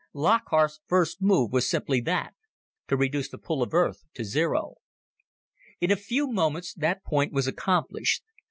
Lockhart's first move was simply that to reduce the pull of Earth to zero. In a few moments that point was accomplished.